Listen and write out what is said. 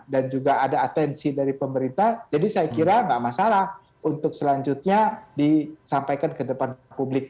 dan juga ada atensi dari pemerintah jadi saya kira nggak masalah untuk selanjutnya disampaikan ke depan publik